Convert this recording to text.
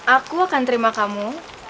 aku akan terima kamu